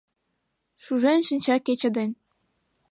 Шужен шинча кече ден.